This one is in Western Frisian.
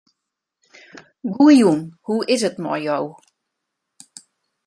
Goejûn, hoe is 't mei jo?